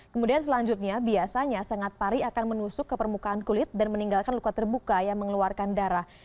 kemudian selanjutnya biasanya sengat pari akan menusuk ke permukaan kulit dan meninggalkan luka terbuka yang mengeluarkan darah